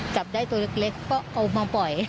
จับได้ตัวเล็กก็เอามาปล่อย